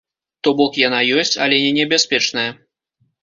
То бок яна ёсць, але не небяспечная.